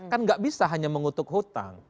kan nggak bisa hanya mengutuk hutang